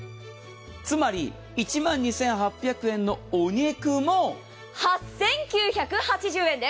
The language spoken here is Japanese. つまり１万２８００円のお肉も８９８０円です。